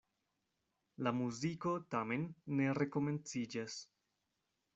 La muziko tamen ne rekomenciĝas.